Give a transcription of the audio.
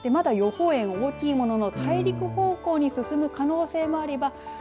まだ予報円が大きいものの大陸方向に進む可能性もあります。